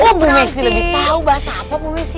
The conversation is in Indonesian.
oh belum esi lebih tahu bahasa apa belum esi